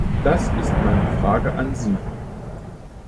Das ist meine Frage an Sie.